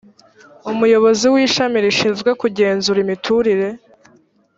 umuyobozi w ishami rishinzwe kugenzura imiturire